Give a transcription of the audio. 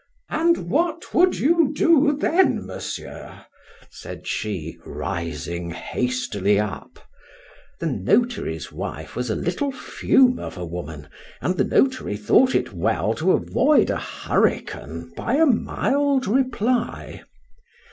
— —And what would you do then, Monsieur? said she, rising hastily up.—The notary's wife was a little fume of a woman, and the notary thought it well to avoid a hurricane by a mild reply.